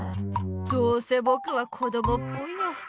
どうせぼくはこどもっぽいよ。